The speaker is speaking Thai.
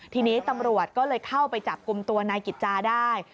ทีนี้ตำรวจก็เลยเข้าไปจับกลุ่มตัวนายกิจจาได้